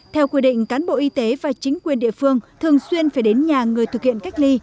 theo quy định cán bộ y tế và chính quyền địa phương thường xuyên phải đến nhà người thực hiện cách ly